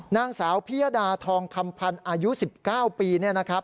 นางสาวพิยดาทองคำพันธ์อายุ๑๙ปีเนี่ยนะครับ